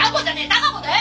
貴子だよ！